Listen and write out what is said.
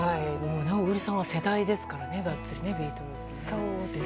小栗さんは世代ですからねガッツリ、ビートルズ。